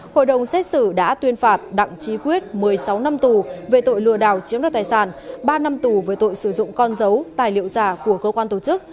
hội đồng xét xử đã tuyên phạt đặng trí quyết một mươi sáu năm tù về tội lừa đảo chiếm đoạt tài sản ba năm tù về tội sử dụng con dấu tài liệu giả của cơ quan tổ chức